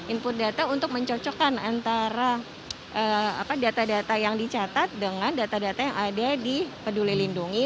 input data untuk mencocokkan antara data data yang dicatat dengan data data yang ada di peduli lindungi